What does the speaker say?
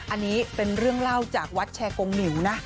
อันนี้เป็นเรื่องเล่าจากวัดแชร์กงหลิวนะ